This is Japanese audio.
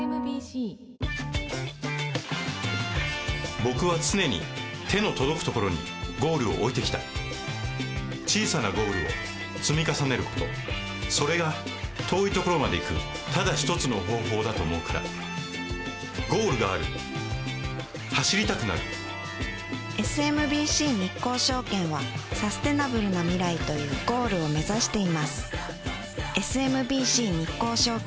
僕は常に手の届くところにゴールを置いてきた小さなゴールを積み重ねることそれが遠いところまで行くただ一つの方法だと思うからゴールがある走りたくなるＳＭＢＣ日興証券はサステナブルな未来というゴールを目指していますＳＭＢＣ日興証券